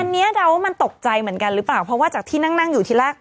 อันนี้เดาว่ามันตกใจเหมือนกันหรือเปล่าเพราะว่าจากที่นั่งนั่งอยู่ที่แรก